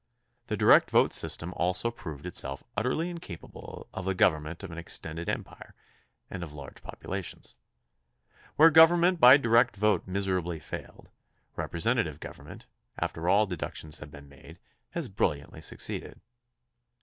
The direct vote system also proved itself utterly incapable of the government of an extended THE CONSTITUTION AND ITS MAKERS 61 empire and of large populations. Where government by direct vote miserably failed, representative gov ernment, after all deductions have been made, has brilliantly succeeded.